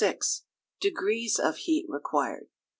Degrees of Heat Required.